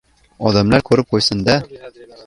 odamlar ko‘rib qo‘yishsin-da!